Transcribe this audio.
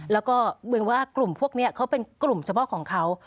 แล้วก็เหมือนว่ากลุ่มพวกนี้เขาเป็นกลุ่มเฉพาะของเขา